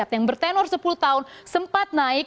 yang bertenor sepuluh tahun sempat naik